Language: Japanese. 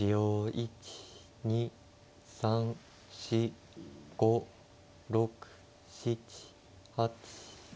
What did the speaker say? １２３４５６７８。